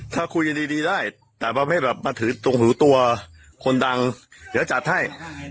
ถ้าคุยดีได้แต่ไม่แบบมาถือตัวคนดังเดี๋ยวจัดให้